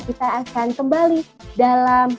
kita akan kembali dalam